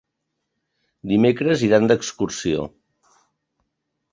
Dimecres iran d'excursió.